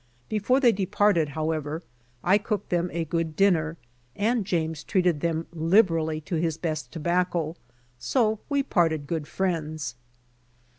Before they departed, however, I cooked them a good dinner, and James treated them liberally to his best tobacco, so we parted good friends.